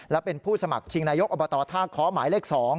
และเป็นผู้สมัครชิงนายกอบตท่าค้อหมายเลข๒